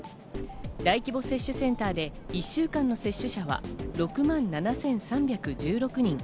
大規模接種センターで１週間の接種者は６万７３１６人。